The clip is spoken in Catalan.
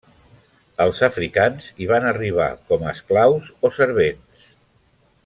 Els africans hi van arribar com a esclaus o servents.